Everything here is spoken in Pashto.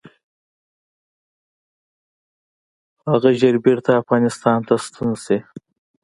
هغه ژر بیرته افغانستان ته ستون شي.